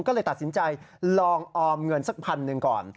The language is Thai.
ก็เลยตัดสินใจลองออมเงินสักพันหนึ่งก่อน